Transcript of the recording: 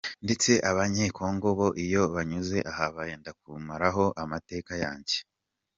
Ndetse Abanyekongo bo iyo banyuze aha benda kumaraho amateke yanjye”.